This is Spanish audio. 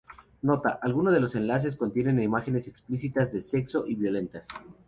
Nota: algunos de los enlaces contienen imágenes explícitas de sexo y violentas.